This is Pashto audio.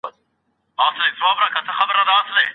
قرآن کريم د منځګرو ليږلو طريقه ښوولې ده.